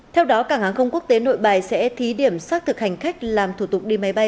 theo đó cảng hàng không quốc tế nội bài sẽ thí điểm xác thực hành khách làm thủ tục đi máy bay